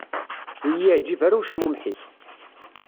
Ur i-yeɛǧib ara ucmumeḥ-ik.